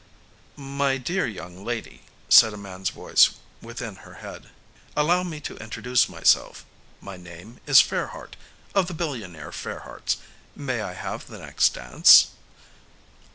"My dear young lady," said a man's voice within her head, "allow me to introduce myself. My name is Fairheart. Of the billionaire Fairhearts. May I have the next dance?"